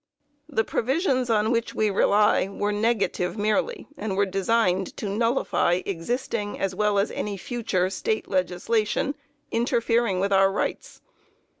The provisions on which we rely were negative merely, and were designed to nullify existing as well as any future State legislation interfering with our rights.